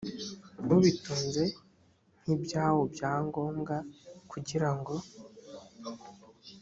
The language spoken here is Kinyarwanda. ubitunze nk’ibyawo bya ngombwa kugira ngo